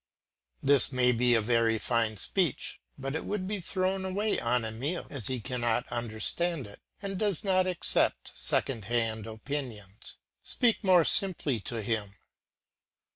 This may be a very fine speech, but it would be thrown away upon Emile, as he cannot understand it, and he does not accept second hand opinions. Speak more simply to him.